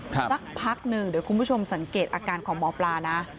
สักพักหนึ่งเดี๋ยวคุณผู้ชมสังเกตอาการของหมอปลานะ